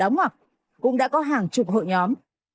đóng hoặc cũng đã có hàng chục hội nhóm